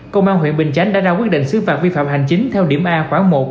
công an huyện bình chánh đã ra quyết định xứ phạt vi phạm hành chính theo điểm a khoảng một